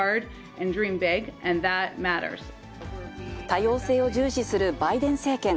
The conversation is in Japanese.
多様性を重視するバイデン政権。